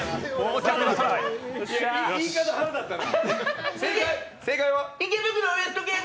言い方腹立ったな。